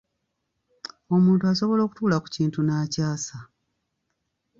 Omuntu asobola okutuula ku kintu n'akyasa.